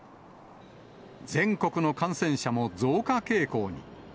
全国の感染者も増加傾向に。